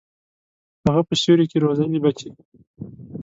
هغه په سیوري کي روزلي بچي